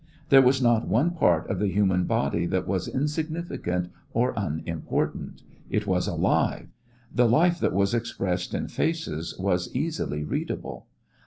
There was not one part of the human body that was insignificant or unimportant: it was alive. The life that was expressed in faces was easily readable.